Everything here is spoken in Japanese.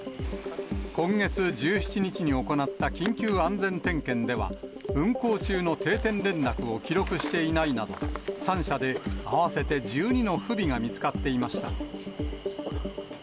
今月１７日に行った緊急安全点検では、運航中の定点連絡を記録していないなど、３社で合わせて１２の不備が見つかっていました。